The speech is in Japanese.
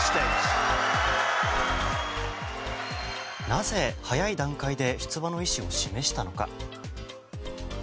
なぜ、早い段階で出馬の意思を示したのか。